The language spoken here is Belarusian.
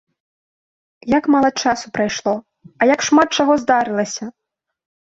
Як мала часу прайшло, а як шмат чаго здарылася!